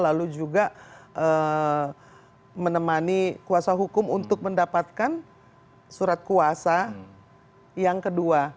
lalu juga menemani kuasa hukum untuk mendapatkan surat kuasa yang kedua